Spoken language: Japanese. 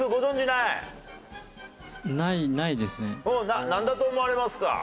なんだと思われますか？